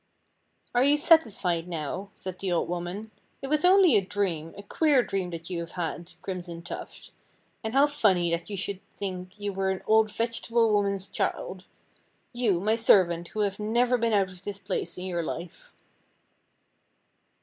"Are you satisfied now," said the old woman. "It was only a dream, a queer dream that you have had, Crimson Tuft, and how funny that you should think you were an old vegetable woman's child. You, my servant, who have never been out of this place in your life."